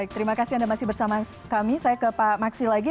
terima kasih anda masih bersama kami saya ke pak maksi lagi